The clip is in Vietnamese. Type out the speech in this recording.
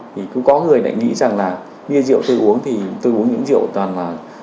thì cũng có người lại nghĩ rằng là bia rượu tôi uống thì tôi uống những rượu toàn là